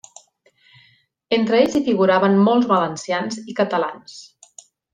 Entre ells hi figuraven molts valencians i catalans.